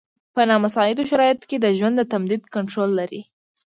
په نامساعدو شرایطو کې د ژوند د تمدید کنټرول لري.